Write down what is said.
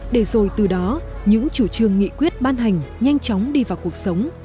để rồi từ đó những chủ trương nghị quyết ban hành nhanh chóng đi vào cuộc sống